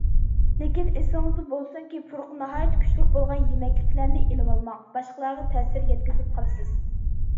لېكىن ئېسىڭىزدە بولسۇنكى پۇرىقى ناھايىتى كۈچلۈك بولغان يېمەكلىكلەرنى ئېلىۋالماڭ، باشقىلارغا تەسىر يەتكۈزۈپ قالىسىز.